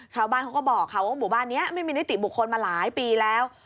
ชาวบ้านเขาก็บอกค่ะว่าหมู่บ้านนี้ไม่มีนิติบุคคลมาหลายปีแล้ว